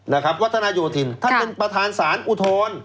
นะครับวัฒนาโยธินท่านเป็นประธานศาลอุทธร